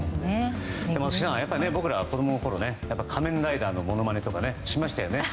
松木さん僕らは子供のころ仮面ライダーのものまねとかしましたよね。